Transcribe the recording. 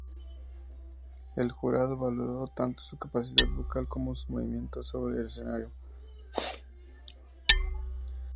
El jurado valoró tanto su capacidad vocal como sus movimientos sobre en el escenario.